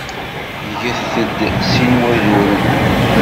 Get-d sin waduren.